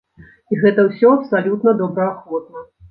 І гэта ўсё абсалютна добраахвотна.